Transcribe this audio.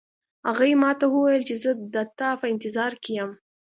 هغې ما ته وویل چې زه د تا په انتظار کې یم